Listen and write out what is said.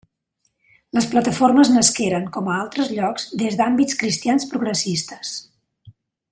Les plataformes nasqueren, com a altres llocs, des d'àmbits cristians progressistes.